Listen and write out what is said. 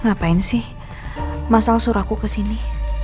ngapain sih masang suraku ke sini